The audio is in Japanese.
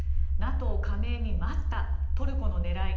ＮＡＴＯ加盟に待ったトルコの狙い。